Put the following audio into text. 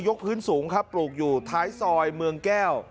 พื้นสูงครับปลูกอยู่ท้ายซอยเมืองแก้ว